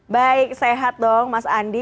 baik sehat dong mas andi